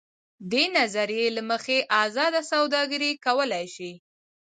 دې نظریې له مخې ازاده سوداګري کولای شي.